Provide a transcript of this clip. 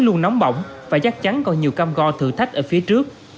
luôn nóng bỏng và chắc chắn còn nhiều cam go thử thách ở phía trước